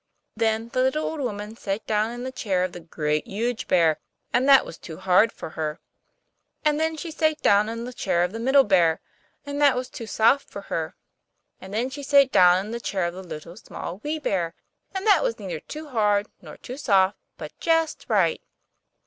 Then the little old woman sate down in the chair of the Great, Huge Bear, and that was too hard for her. And then she sate down in the chair of the Middle Bear, and that was too soft for her. And then she sate down in the chair of the Little, Small, Wee Bear, and that was neither too hard nor too soft, but just right.